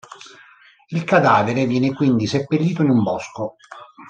Il cadavere viene quindi seppellito in un bosco.